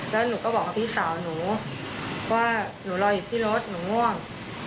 แล้วหนูก็บอกกับพี่สาวหนูว่าหนูรออยู่ที่รถหนูง่วง